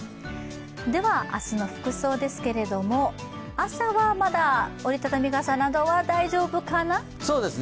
では、明日の服装ですけれども、朝はまだ折りたたみ傘などは大丈夫かな？といたところです。